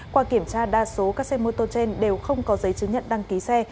qua kiểm tra đa số các xe mô tô trên đều không có giấy chứng nhận đăng ký xe